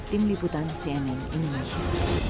tim liputan cnn indonesia